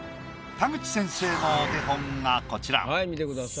田口先生のお手本がこちら。